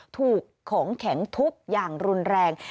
ถูกของแข็งทุบอย่างรุนแรง